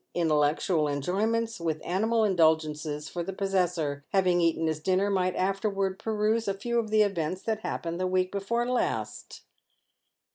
intellectual enjoyments with animal indulgences, for the possessor, having eaten his dinner, might afterwards peruse a few of the events that happened the week before last.